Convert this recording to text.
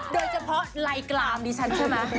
โดยเฉพาะลายกลามดิฉันใช่ไหม